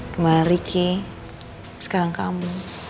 kemarin ricky sekarang kamu